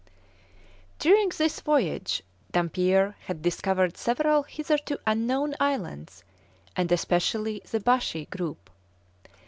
"] During this voyage, Dampier had discovered several hitherto unknown islands, and especially the Baschi group.